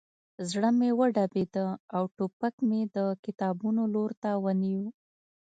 زړه مې وډبېده او ټوپک مې د کتابونو لور ته ونیو